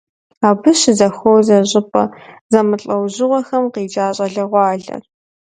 Абы щызэхуозэ щӏыпӏэ зэмылӏэужьыгъуэхэм къикӏа щӏалэгъуалэр.